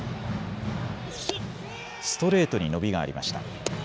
ストレートに伸びがありました。